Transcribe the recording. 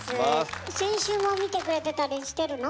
先週も見てくれてたりしてるの？